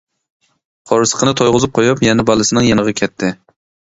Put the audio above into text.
قورسىقىنى تويغۇزۇپ قويۇپ يەنە بالىسىنىڭ يېنىغا كەتتى.